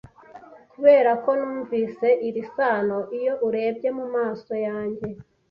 'Kuberako numvise iri sano iyo urebye mumaso yanjye